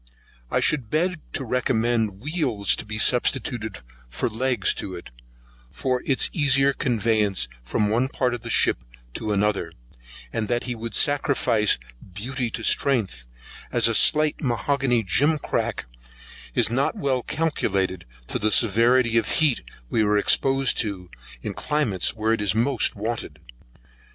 I should beg to recommend wheels to be substituted for legs to it, for its easier conveyance from one part of the ship to the other, and that he would sacrifice beauty to strength, as a slight mahogany jim crack is not well calculated to the severity of heat we are exposed to, in climates where it is most wanted.